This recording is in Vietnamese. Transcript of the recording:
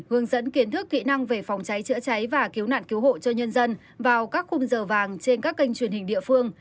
hướng dẫn kiến thức kỹ năng về phòng cháy chữa cháy và cứu nạn cứu hộ cho nhân dân vào các khung giờ vàng trên các kênh truyền hình địa phương